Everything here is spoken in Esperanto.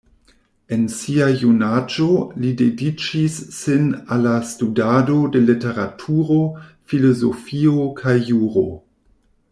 En sia junaĝo li dediĉis sin al la studado de literaturo, filozofio kaj juro.